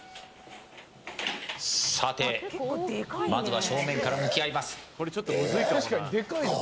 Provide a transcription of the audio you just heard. さて、まずは正面から向き合います。